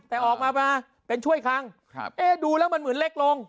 แต่ออกมามาเป็นช่วยคลังดูแล้วมันเหมือนเล็กลง